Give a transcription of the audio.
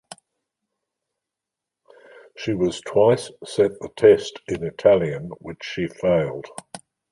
She was twice set the test in Italian, which she failed.